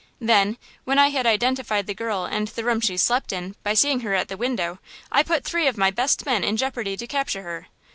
Then, when I had identified the girl and the room she slept in by seeing her at the window, I put three of my best men in jeopardy to capture her.